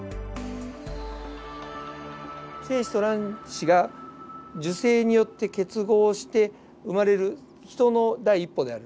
精子と卵子が受精によって結合して生まれるヒトの第１歩である。